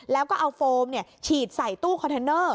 แล้วก็เอาโฟมฉีดใส่ตู้คอนเทนเนอร์